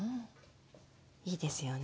いいですよね。